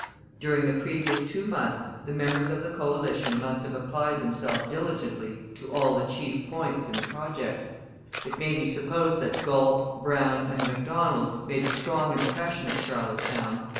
During the previous two months the members of the coalition must have applied themselves diligently to all the chief points in the project. It may be supposed that Galt, Brown, and Macdonald made a strong impression at Charlottetown.